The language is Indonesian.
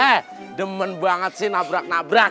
eh demen banget sih nabrak nabrak